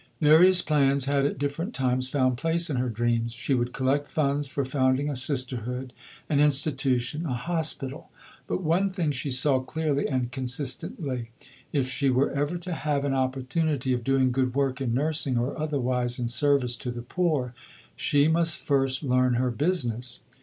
Various plans had at different times found place in her dreams. She would collect funds for founding a sisterhood, an institution, a hospital; but one thing she saw clearly and consistently. If she were ever to have an opportunity of doing good work in nursing or otherwise in service to the poor, she must first learn her business.